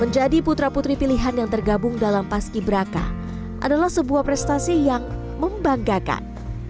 menjadi putra putri pilihan yang tergabung dalam paski braka adalah sebuah prestasi yang membanggakan